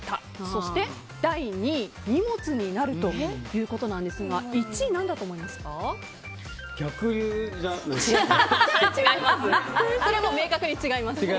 そして、第２位荷物になるということなんですが１位何だと思いますか？